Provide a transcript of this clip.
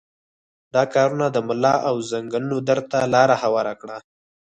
دا کارونه د ملا او زنګنونو درد ته لاره هواره کړه.